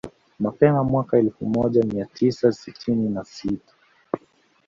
Mapema mwaka elfu moja mia tisa sitini na sita